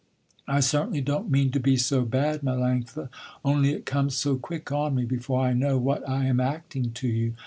I certainly don't mean to be so bad, Melanctha, only it comes so quick on me before I know what I am acting to you.